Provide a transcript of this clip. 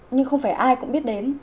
nhưng không phải ai cũng biết đến